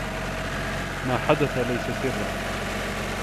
ما حدث ليس سرًّا.